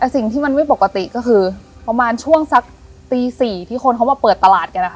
แต่สิ่งที่มันไม่ปกติก็คือประมาณช่วงสักตี๔ที่คนเขามาเปิดตลาดกันนะคะ